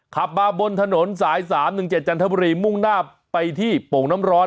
ขับมาบนถนนสาย๓๑๗จันทบุรีมุ่งหน้าไปที่โป่งน้ำร้อน